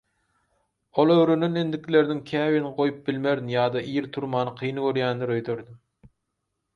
Ol öwrenen endikleriniň käbirini goýup bilmerin ýa-da ir turmany kyn görýändir öýderdim.